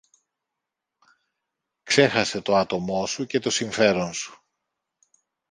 Ξέχασε το άτομο σου και το συμφέρον σου